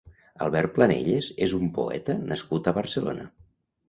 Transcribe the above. Albert Planelles és un poeta nascut a Barcelona.